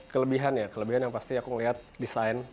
kelebihan ya kelebihan yang pasti aku ngeliat desain